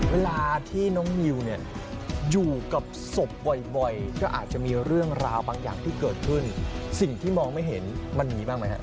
เวลาที่น้องนิวเนี่ยอยู่กับศพบ่อยก็อาจจะมีเรื่องราวบางอย่างที่เกิดขึ้นสิ่งที่มองไม่เห็นมันมีบ้างไหมฮะ